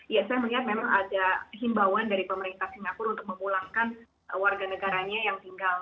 ya saya melihat memang ada himbauan dari pemerintah singapura untuk memulangkan warga negaranya yang tinggal